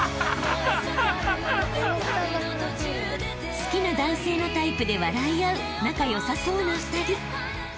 ［好きな男性のタイプで笑い合う仲良さそうな２人］